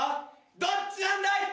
どっちなんだい？